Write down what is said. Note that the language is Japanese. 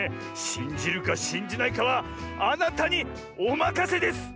しんじるかしんじないかはあなたにおまかせです！